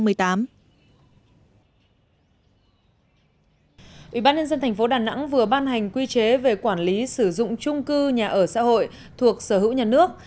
ủy ban nhân dân tp đà nẵng vừa ban hành quy chế về quản lý sử dụng trung cư nhà ở xã hội thuộc sở hữu nhà nước